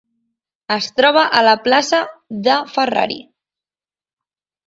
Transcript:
Es troba a la plaça De Ferrari.